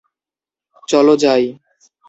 চলো যাই।